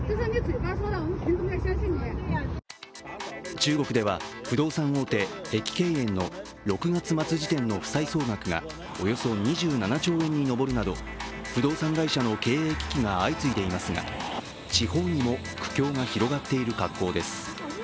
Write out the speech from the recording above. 中国では不動産大手、碧桂園の６月末時点の負債総額がおよそ２７兆円に上るなど、不動産会社の経営危機が相次いでいますが地方にも苦境が広がっている格好です。